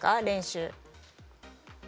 練習。